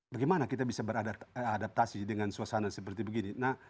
bagaimana kita bisa beradaptasi dengan suasana seperti begini